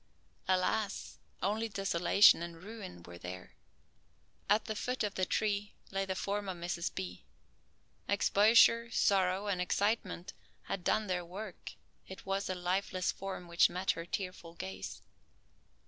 Alas, only desolation and ruin were there. At the foot of the tree lay the form of Mrs. B. Exposure, sorrow, and excitement had done their work. It was a lifeless form which met her tearful gaze.